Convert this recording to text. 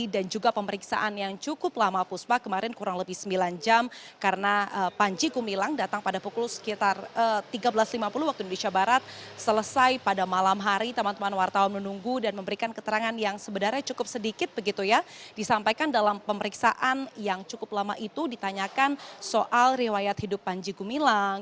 dan juga dikumpulkan oleh penyelidikan kepencang